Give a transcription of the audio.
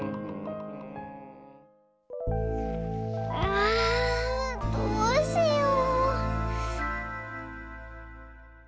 あどうしよう。